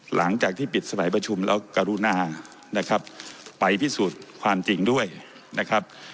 หลังจากที่ปิดสมัยประชุมแล้วกรุณานะครับไปพิสูจน์ความจริงด้วยนะครับ